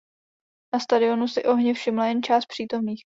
Na stadionu si ohně všimla jen část přítomných.